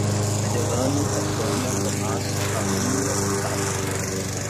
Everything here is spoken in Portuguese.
Elane, Tatiana, Thomás, Lavínia e Sávio